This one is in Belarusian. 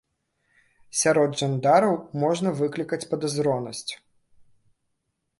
Сярод жандараў можна выклікаць падазронасць.